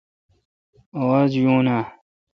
آواز یوین اؘ